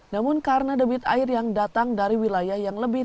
namun karena debit air yang datang dari wilayah yang lebih tinggi